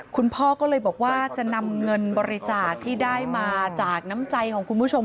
คุณพ่อก็เลยบอกว่าจะนำเงินบริจาคที่ได้มาจากน้ำใจของคุณผู้ชม